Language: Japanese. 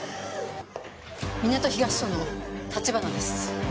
港東署の橘です。